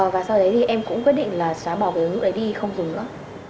và sau đấy thì em cũng quyết định là xóa bỏ cái ứng dụng đấy đi không dùng nữa